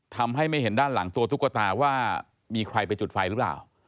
ทำให้ไม่เห็นด้านหลังตัวตุ๊กตาว่ามีใครไปจุดไฟหรือเปล่า